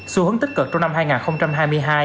xu hướng tích cực trong năm hai nghìn hai mươi hai